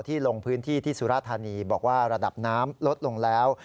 ลงพื้นที่ที่สุราธานีบอกว่าระดับน้ำลดลงแล้ว